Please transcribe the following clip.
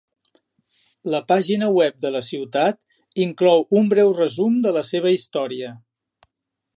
La pàgina web de la ciutat inclou un breu resum de la seva història.